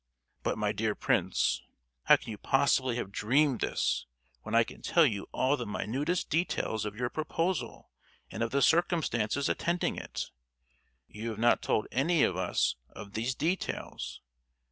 "But, my dear Prince, how can you possibly have dreamed this, when I can tell you all the minutest details of your proposal and of the circumstances attending it? You have not told any of us of these details.